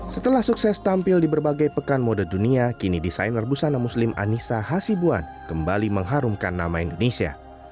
setelah sukses tampil di berbagai pekan mode dunia kini desainer busana muslim anissa hasibuan kembali mengharumkan nama indonesia